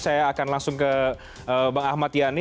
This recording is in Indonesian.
saya akan langsung ke bang ahmad yani